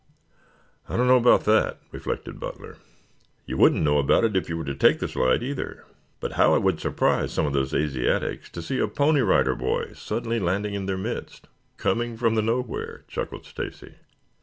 "I don't know about that," reflected Butler. "You wouldn't know about it if you were to take the slide, either. But how it would surprise some of those Asiatics to see a Pony Rider Boy suddenly landing in their midst, coming from the nowhere," chuckled Stacy.